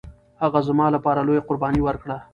هغه زما لپاره لويه قرباني ورکړه